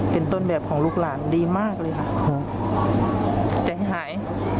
เป็นต้นแบบของลูกหลานดีมากเลยค่ะใจหาย